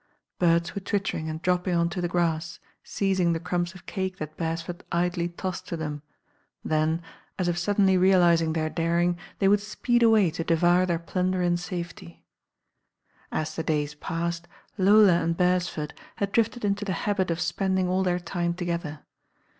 Birds were twittering and dropping on to the grass, seizing the crumbs of cake that Beresford idly iosscd to them, then, as if sud denly realising their daring, they would speed away to devour their plunder in safety. As the days passed, Lola and Beresford had drifted into the habit of spending all their time together.